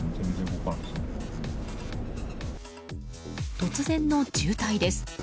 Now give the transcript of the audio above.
突然の渋滞です。